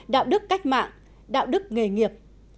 đạo đức cách mạng đạo đức nghề nghiệp